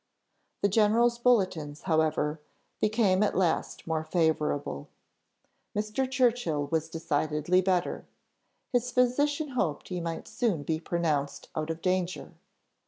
The general's bulletins, however, became at last more favourable: Mr. Churchill was decidedly better; his physician hoped he might soon be pronounced out of danger.